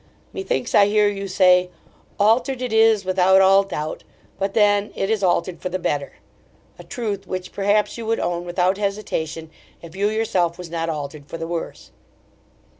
Methinks I hear you say, 'Altered it is, without all doubt: but then it is altered for the better; a truth which, perhaps, you would own without hesitation, if you yourself was not altered for the worse.